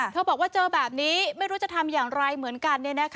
บอกว่าเจอแบบนี้ไม่รู้จะทำอย่างไรเหมือนกัน